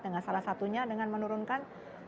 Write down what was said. dengan salah satunya dengan menurunkan